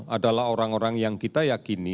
adalah orang orang yang kita yakini